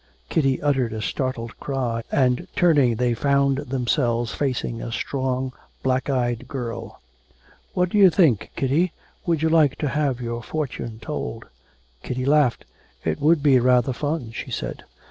Kitty uttered a startled cry and turning they found themselves facing a strong black eyed girl. 'What do you think, Kitty, would you like to have your fortune told?' Kitty laughed. 'It would be rather fun,' she said.